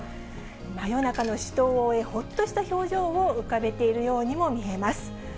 真夜中の死闘を終え、ほっとした表情を浮かべているようにも見えます。